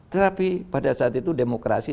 tetapi pada saat itu demokrasi